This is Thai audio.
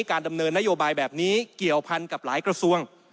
การดำเนินนโยบายแบบนี้เกี่ยวพันกับหลายกระทรวง